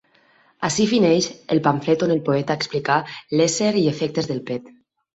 Ací fineix el pamflet on el poeta explicà l'ésser i efectes del pet.